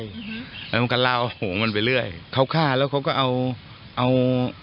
แล้วมันก็ลาวโหงมันไปเรื่อยเขาฆ่าแล้วเขาก็เอาเอา